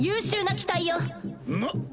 なっ。